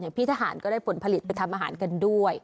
พี่ทหารก็ได้ผลผลิตไปทำอาหารกันด้วย